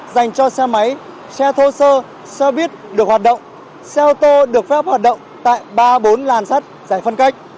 dành cho xe máy xe thô sơ xe buýt được hoạt động xe ô tô được phép hoạt động tại ba bốn làn sắt giải phân cách